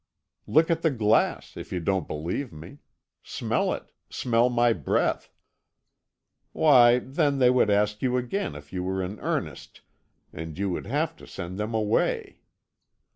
Look at the glass, if you don't believe me. Smell it smell my breath.' Why, then they would ask you again if you were in earnest, and you would have to send them away.